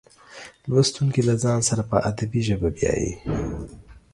لوستونکي له ځان سره په ادبي ژبه بیایي.